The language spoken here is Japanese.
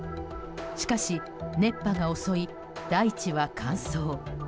しかし、熱波が襲い大地は乾燥。